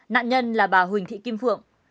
nạn nhân là bà huỳnh thị kim phượng